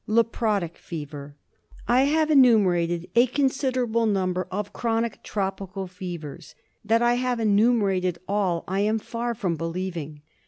Leprotic Fever. I have enumerated a considerable number of chronic tropical fevers ; that I have enumerated all I am far from believing.